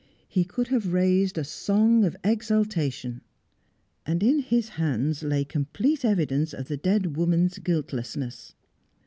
He could have raised a song of exultation. And in his hands lay complete evidence of the dead woman's guiltlessness.